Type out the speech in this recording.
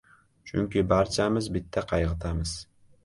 – chunki barchamiz bitta qayiqdamiz.